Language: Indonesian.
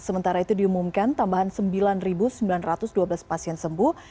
sementara itu diumumkan tambahan sembilan sembilan ratus dua belas pasien sembuh